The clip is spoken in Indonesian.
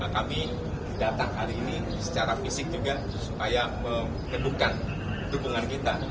kami datang hari ini secara fisik juga supaya mengedukkan dukungan kita